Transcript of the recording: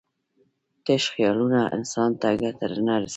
تش خیالونه انسان ته ګټه نه رسوي.